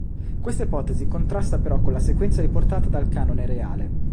Questa ipotesi contrasta però con la sequenza riportata dal Canone Reale.